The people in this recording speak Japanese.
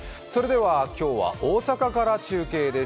今日は大阪から中継です。